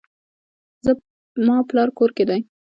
زما پلار کور کې دی